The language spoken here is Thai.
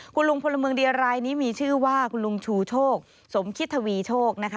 คุณลุงพลเมืองดีรายนี้มีชื่อว่าคุณลุงชูโชคสมคิตทวีโชคนะคะ